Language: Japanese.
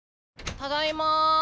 ただいま。